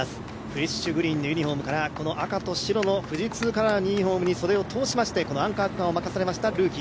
フレッシュグリーンのユニフォームからこの赤と白の富士通カラーのユニフォームに袖を通しまして、アンカー区間を任されました。